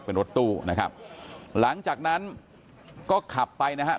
เป็นรถตู้นะครับหลังจากนั้นก็ขับไปนะฮะ